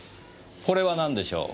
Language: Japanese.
これはなんでしょう？